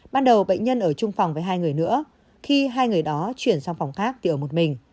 ban đầu bệnh nhân ở chung phòng với hai người nữa khi hai người đó chuyển sang phòng khác thì ở một mình